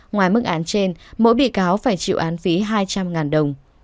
ngoài mức án trên mỗi bị cáo phải chịu án phí hai trăm linh đồng